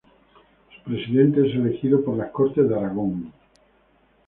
Su Presidente es elegido por las Cortes de Aragón.